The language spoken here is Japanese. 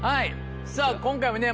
さぁ今回もね